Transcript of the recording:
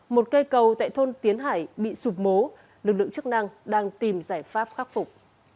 một cây cầu tại thôn tiến hải bị sụp mố lực lượng chức năng đang tìm giải pháp khắc phục